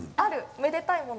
めでたいもの？